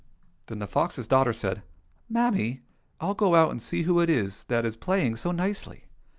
" Then the fox's daughter said, " Mammy, I'll go out and see who it is that is playing so nicely